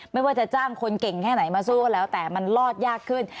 ไม่ว่าจะจ้างคนเก่งแค่ไหนมาสู้ก็แล้วแต่มันรอดยากขึ้น